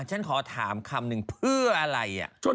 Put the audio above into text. ฉันขอถามคำนึงถึงว่าเพราะในความรู้ว่าเธอตายน่ะ